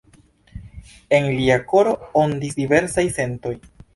En lia koro ondis diversaj sentoj.